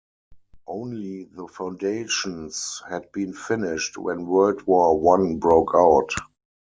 Only the foundations had been finished when World War One broke out.